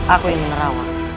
aku ingin merawat